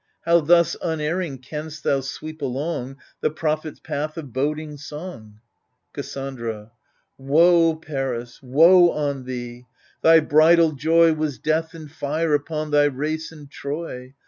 How thus unerring canst thou sweep along The prophet's path of boding song ? Cassandra Woe, Paris, woe on thee 1 thy bridal joy Was death and fire upon thy race and Troy